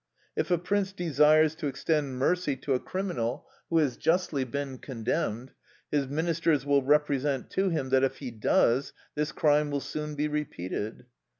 If a prince desires to extend mercy to a criminal who has justly been condemned, his Ministers will represent to him that, if he does, this crime will soon be repeated.